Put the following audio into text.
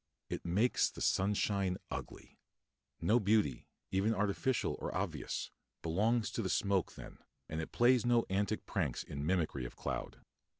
It makes the sunshine ugly. No beauty, even artificial or obvious, belongs to the smoke then, and it plays no antic pranks in mimicry of cloud.